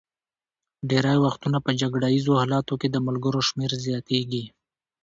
ډېری وختونه په جګړه ایزو حالاتو کې د ملګرو شمېر زیاتېږي.